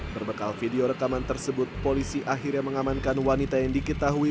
berbekal video rekaman tersebut polisi akhirnya mengamankan wanita yang diketahui